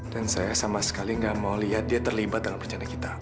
dan saya sama sekali gak mau lihat dia terlibat dalam rencana kita